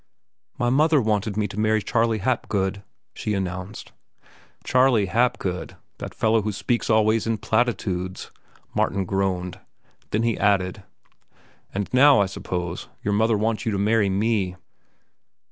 "My mother wanted me to marry Charley Hapgood," she announced. "Charley Hapgood, that fellow who speaks always in platitudes?" Martin groaned. Then he added, "And now, I suppose, your mother wants you to marry me."